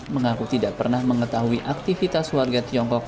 mengaku tidak pernah mengetahui aktivitas warga tiongkok